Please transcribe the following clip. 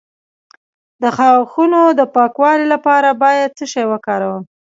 د غاښونو د پاکوالي لپاره باید څه شی وکاروم؟